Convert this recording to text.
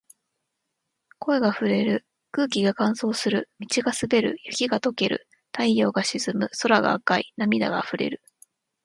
声が震える。空気が乾燥する。道が滑る。雪が解ける。太陽が沈む。空が赤い。涙が溢れる。